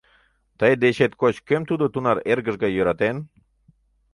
Тый дечет коч кӧм тудо тунар эргыж гай йӧратен?..